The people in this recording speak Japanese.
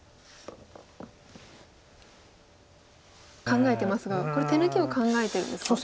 考えてますがこれ手抜きを考えてるんですか？